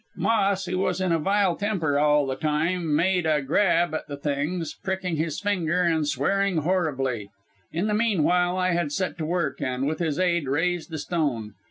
"Moss, who was in a vile temper all the time, made a grab at the things, pricking his finger and swearing horribly. In the meanwhile I had set to work, and, with his aid, raised the stone.